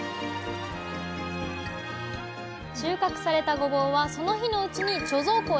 収穫されたごぼうはその日のうちに貯蔵庫へ。